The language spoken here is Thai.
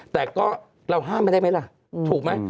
แต่ก็เราห้ามมาได้ไหมล่ะถูกไหม